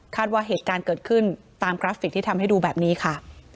ว่าเหตุการณ์เกิดขึ้นตามกราฟิกที่ทำให้ดูแบบนี้ค่ะ